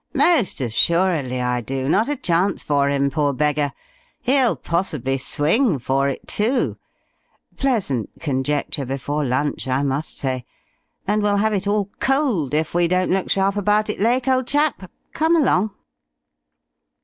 "Most assuredly I do. Not a chance for him poor beggar. He'll possibly swing for it, too! Pleasant conjecture before lunch, I must say. And we'll have it all cold if we don't look sharp about it, Lake, old chap. Come along."